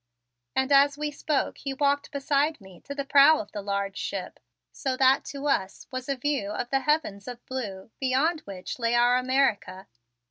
And as we spoke he walked beside me to the prow of the large ship so that to us was a view of the heavens of blue beyond which lay our America.